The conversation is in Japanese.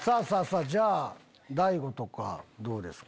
じゃあ大悟とかどうですか？